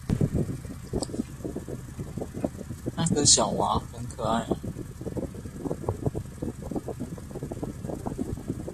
那個小娃娃很可愛